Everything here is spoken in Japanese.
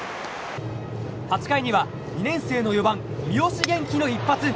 ８回には、２年生の４番三好元気の一発。